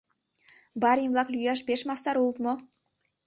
Барин-влак лӱяш пеш мастар улыт мо?